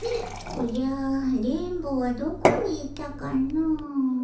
おじゃ電ボはどこに行ったかの？